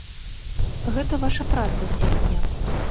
Гэта ваша праца сёння.